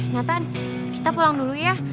nathan kita pulang dulu ya